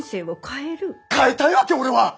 変えたいわけ俺は！